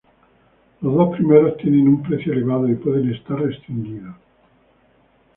Los dos primeros tienen un precio elevado y pueden estar restringidos.